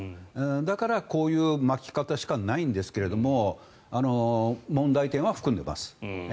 だから、こういうまき方しかないんですけど問題点は含んでます。